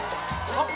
あっ！